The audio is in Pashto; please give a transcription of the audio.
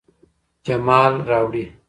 جمال راوړي